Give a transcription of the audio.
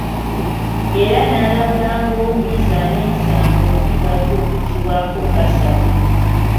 Era n’alabula ng’omuyizi aneeyisanga obubi bw’ajja okuggibwako bbasale.